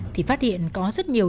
thì phát hiện có rất nhiều